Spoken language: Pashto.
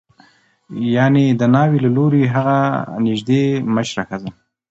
یعنې د ناوې له لوري هغه نژدې مشره ښځه